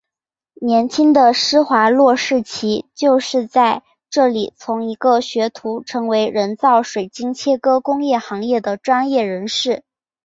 年轻的施华洛世奇就是在这里从一个学徒成为人造水晶切割工艺行业的专业人士。